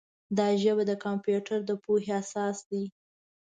دا ژبه د کمپیوټر د پوهې اساس دی.